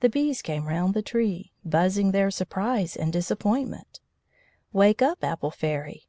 The bees came round the tree, buzzing their surprise and disappointment. "Wake up, Apple Fairy!"